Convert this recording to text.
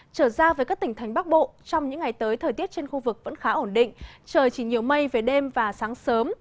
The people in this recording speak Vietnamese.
trở ra với các tỉnh thành bắc bộ trong những ngày tới thời tiết trên khu vực vẫn khá ổn định trời chỉ nhiều mây về đêm và sáng sớm